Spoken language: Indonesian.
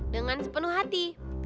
dengan sepenuh hati